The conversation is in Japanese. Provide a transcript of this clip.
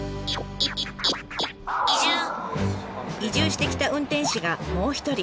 移住してきた運転士がもう一人。